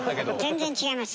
全然違います。